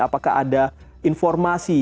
apakah ada informasi